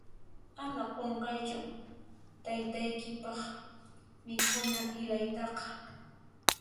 Ama qunqankichu taytaykipaq mikhuna ilaytaqa.